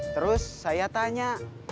terus saya tanya